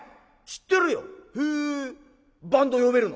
「知ってるよ！